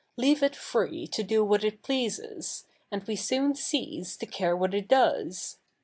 Leave it free to do what it pleases., and 7ve S0071 cease to care what it does.